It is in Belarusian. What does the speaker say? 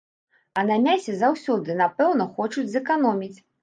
А на мясе заўсёды, напэўна, хочуць зэканоміць.